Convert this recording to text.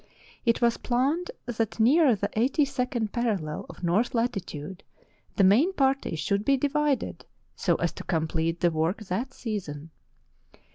It was planned that near the eighty second parallel of north latitude the main party should be divided, so as to complete the work that season.